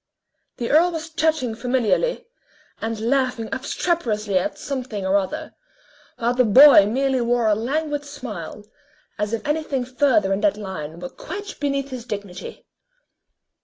The earl was chatting familiarly, and laughing obstreperously at something or other, while the boy merely wore a languid smile, as if anything further in that line were quite beneath his dignity.